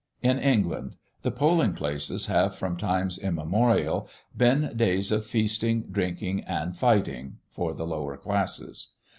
In England, the polling days have from times immemorial been days of feasting, drinking, and fighting for the lower classes.